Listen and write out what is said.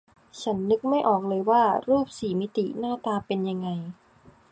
ฉันนึกไม่ออกเลยว่ารูปสี่มิติหน้าตาเป็นยังไง